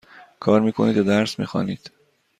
کار می کنید یا درس می خوانید؟